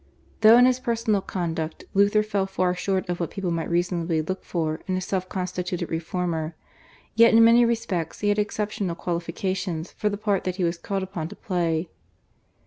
Though in his personal conduct Luther fell far short of what people might reasonably look for in a self constituted reformer, yet in many respects he had exceptional qualifications for the part that he was called upon to play.